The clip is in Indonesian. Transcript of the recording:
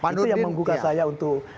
pan itu yang menggugah saya untuk